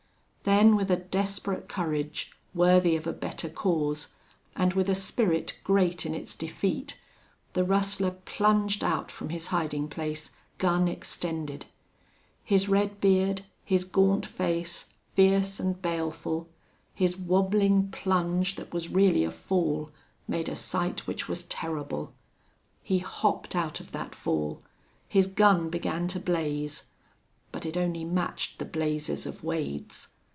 Then with a desperate courage worthy of a better cause, and with a spirit great in its defeat, the rustler plunged out from his hiding place, gun extended. His red beard, his gaunt face, fierce and baleful, his wabbling plunge that was really a fall, made a sight which was terrible. He hopped out of that fall. His gun began to blaze. But it only matched the blazes of Wade's.